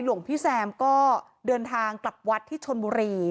หลวงพี่แซมก็เดินทางกลับวัดที่ชนบุรี